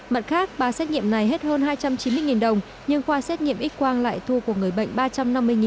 mặt khác ba xét nghiệm này hết hơn hai trăm chín mươi đồng nhưng khoa xét nghiệm x quang lại thu của người bệnh